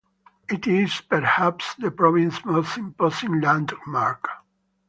It is perhaps the provinces most imposing landmark.